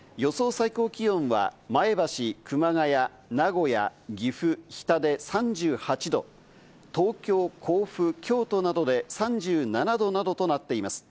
最高気温は前橋、熊谷、名古屋、岐阜、日田で３８度、東京、甲府、京都などで３７度などとなっています。